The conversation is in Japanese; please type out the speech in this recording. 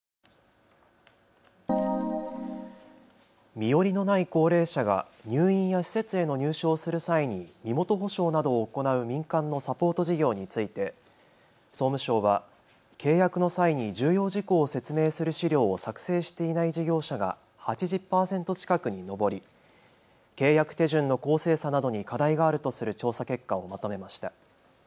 身寄りのない高齢者が入院や施設への入所をする際に身元保証などを行う民間のサポート事業について総務省は契約の際に重要事項を説明する資料を作成していない事業者が８０％近くに上り契約手順の公正さなどに課題があるとする調査結果をまとめました。